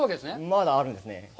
まだあるんですね。